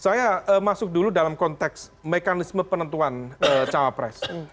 saya masuk dulu dalam konteks mekanisme penentuan cawapres